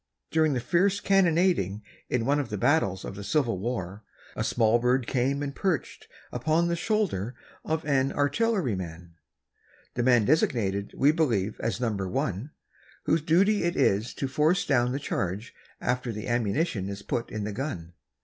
During the fierce cannonading in one of the battles of the Civil War, a small bird came and perched upon the shoulder of an artilleryman—the man designated, we believe, as "No. 1," whose duty it is to force down the charge after the ammunition is put in the gun.